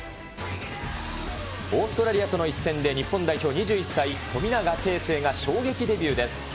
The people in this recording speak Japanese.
オーストラリアとの一戦で、日本代表、２１歳、富永啓生が衝撃デビューです。